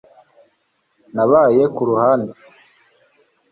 Nabaye ku ruhande